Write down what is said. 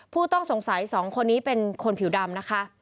ผู้ต้องสงสัย๒คนนี้เป็นคนผิวดำนะคะ